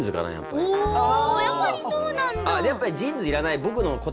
やっぱりそうなんだ！